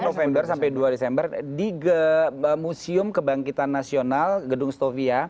november sampai dua desember di museum kebangkitan nasional gedung stovia